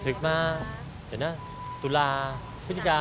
ศึกมาดูลาพฤศกา